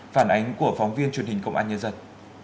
phản ánh của phóng viên truyền hình công an nhân dân